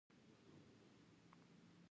څنګه کولی شم د ویزې لپاره اپلای وکړم